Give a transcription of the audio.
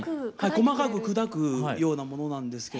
細かく砕くようなものなんですけども。